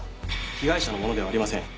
被害者のものではありません。